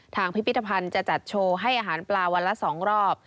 พิพิธภัณฑ์จะจัดโชว์ให้อาหารปลาวันละ๒รอบ